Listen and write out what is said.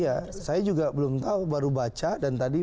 iya saya juga belum tahu baru baca dan tadi